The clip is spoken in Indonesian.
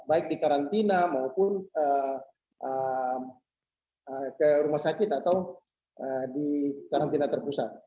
baik di karantina maupun ke rumah sakit atau di karantina terpusat